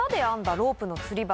ロープのつり橋